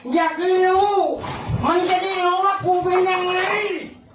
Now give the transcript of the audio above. อยากรู้มันจะได้รู้ว่ากูเป็นยังไง